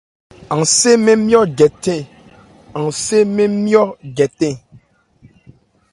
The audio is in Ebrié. An sé mɛn nmyɔ̂n jɛtɛn.